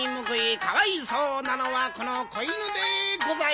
かわいそうなのはこの子犬でござい。